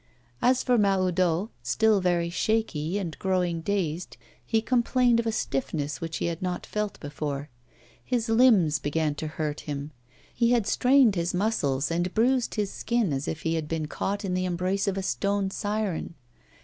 As for Mahoudeau, still very shaky and growing dazed; he complained of a stiffness which he had not felt before; his limbs began to hurt him, he had strained his muscles and bruised his skin as if he had been caught in the embrace of a stone siren.